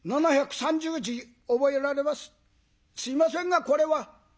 「すいませんがこれは」。